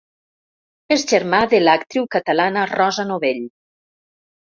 És germà de l'actriu catalana Rosa Novell.